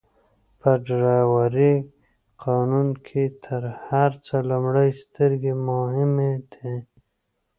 په ډرایورۍ قانون کي تر هر څه لومړئ سترګي مهمه دي.